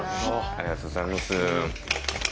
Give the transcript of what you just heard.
ありがとうございます。